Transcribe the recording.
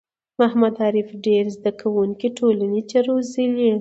محمد عارف ډېر زده کوونکی ټولنې ته روزلي